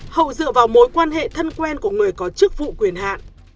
hậu dựa vào mối quan hệ thân quen của người có chức vụ quyền hạn